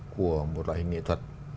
của một loại hình nghệ thuật